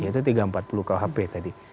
yaitu tiga ratus empat puluh kuhp tadi